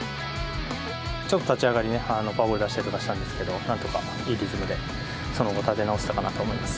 ちょっと立ち上がりね、フォアボール出したりとかもしたんですけど、なんとかいいリズムでその後、立て直せたかなと思います。